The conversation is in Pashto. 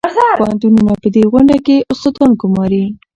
پوهنتونونه په دې غونډه کې استادان ګماري.